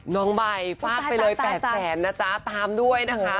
น้องใบฟาดไปเลย๘แสนนะจ๊ะตามด้วยนะคะ